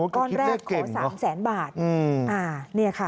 ก้อนแรกขอ๓๐๐๐๐๐บาทนี่ค่ะ